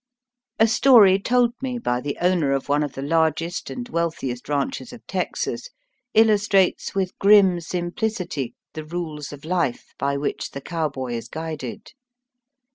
A story told me by the owner of one of the largest and wealthiest ranches of Texas illustrates with grim simplicity the rules of life by which the cowboy is guided.